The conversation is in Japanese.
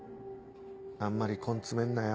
あんまり根詰めんなよ。